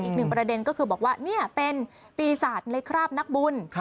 อีกหนึ่งประเด็นก็คือบอกว่านี่เป็นปีศาจในคราบนักบุญ